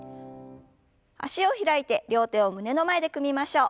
脚を開いて両手を胸の前で組みましょう。